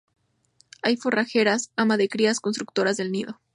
Hay forrajeras, amas de cría, constructoras del nido.